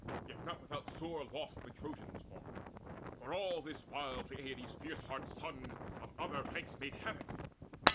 Yet not without sore loss the Trojans fought; For all this while Peleides' fierce heart son Of other ranks made havoc.